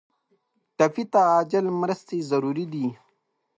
ټپي ته عاجل مرستې ضروري دي.